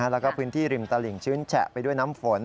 แล้วก็พื้นที่ริมตลิ่งชื้นแฉะไปด้วยน้ำฝน